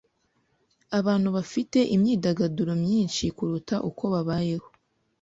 Abantu bafite imyidagaduro myinshi kuruta uko babayeho.